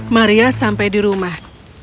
maria sampai di rumah